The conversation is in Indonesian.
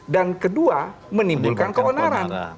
dan kedua menimbulkan keonaran